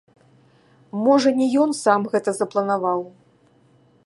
Можа, не ён сам гэта запланаваў.